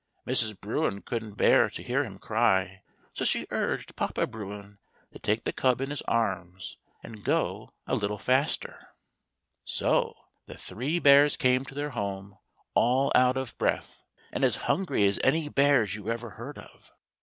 Mrs. Bruin couldn't bear to hear him cry, so she urged Papa Bruin to take the cub in his arms and go a little faster. 113 THE THREE BEARS. So the three bears came to their home all out of breath, and as hungry as any bears you ever heard of.